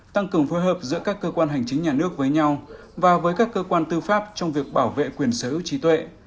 tăng cường phối hợp giữa các cơ quan hành chính nhà nước với nhau và với các cơ quan tư pháp trong việc bảo vệ quyền sở hữu trí tuệ